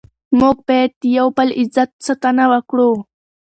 موږ باید د یو بل د عزت ساتنه وکړو.